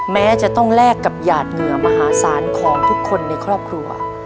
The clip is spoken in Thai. แม้จะต้องแลกกับหยาดเหงื่อมหาศาลของทุกคนในครอบครัว